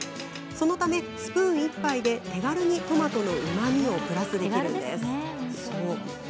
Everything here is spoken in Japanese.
そのため、スプーン１杯で手軽にトマトのうまみをプラスできるんです。